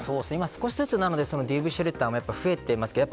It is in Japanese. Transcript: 少しずつＤＶシェルターも増えています。